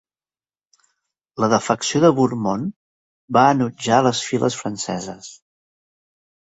La defecció de Bourmont va enutjar les files franceses.